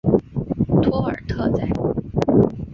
托尔特宰。